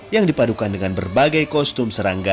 yang dipadukan dengan berbagai kostum serangga